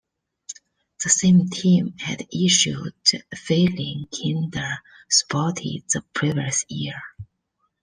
The same team had issued "Feelin' Kinda Sporty" the previous year.